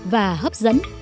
và hấp dẫn